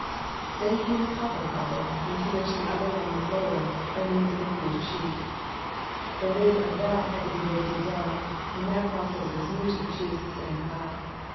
"Then came the copper coffin, into which the other was lowered by means of a huge sheet. The lid of that had to be riveted down, and that process was new to the chiefs standing by.